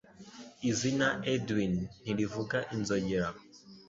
Izina Edwin ntirivuga inzogera.